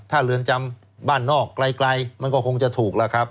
ถ้าเรือนจำบ้านนอกไกลมันก็คงจะถูก